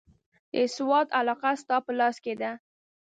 د سوات علاقه ستا په لاس کې ده.